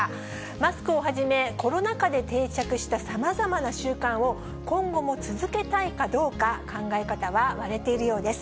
マスクをはじめ、コロナ禍で定着したさまざまな習慣を、今後も続けたいかどうか、考え方が割れているようです。